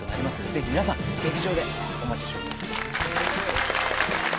ぜひ皆さん劇場でお待ちしております